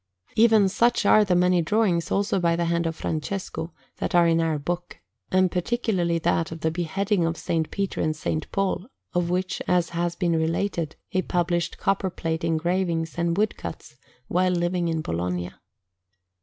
Even such are the many drawings, also by the hand of Francesco, that are in our book; and particularly that of the Beheading of S. Peter and S. Paul, of which, as has been related, he published copper plate engravings and woodcuts, while living in Bologna.